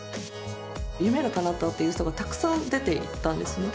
夢がかなったっていう人がたくさん出ていったんですね